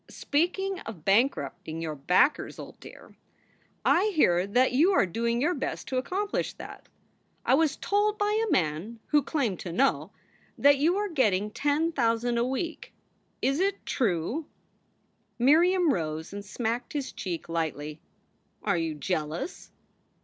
"Speaking of bankrupting your backers, old dear, I hear that you are doing your best to 72 SOULS FOR SALE accomplish that. I was told by a man who claimed to know, that you are getting ten thousand a week. Is it true?" Miriam rose and smacked his cheek lightly. "Are you jealous?"